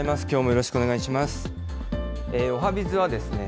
きょうもよろしくお願いします。